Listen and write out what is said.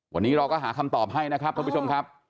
วันนี้เราก็หาคำตอบให้นะครับท่านผู้ชมครับ